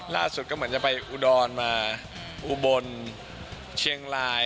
ล่าสุดอาจจะไปอุโดรอุบลเชียงลาย